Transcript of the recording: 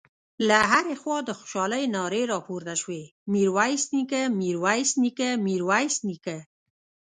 له هرې خوا د خوشالۍ نارې راپورته شوې: ميرويس نيکه، ميرويس نيکه، ميرويس نيکه….